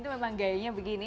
itu emang gayanya begini